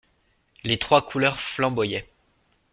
Les trois couleurs flamboyaient.